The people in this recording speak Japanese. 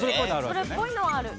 それっぽいのはある。